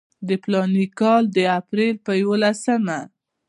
د فلاني کال د اپریل پر یوولسمه.